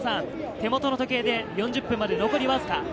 手元の時計で４０分まで残りわずか。